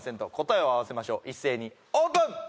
答えを合わせましょう一斉にオープン！